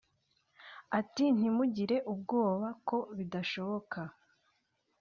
Ati “Ntimugire ubwoba ko bidashoboka